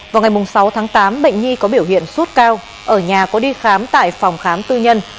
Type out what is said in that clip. vào ngày sáu tháng tám bệnh nhi có biểu hiện sốt cao ở nhà có đi khám tại phòng khám tư nhân